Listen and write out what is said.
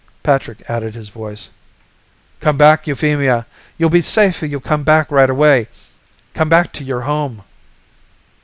Patrick added his voice. "Come back, Euphemia. You'll be safe if you come back right away. Come back to your home."